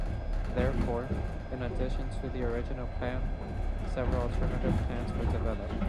Therefore, in addition to the original plan several alternative plans were developed.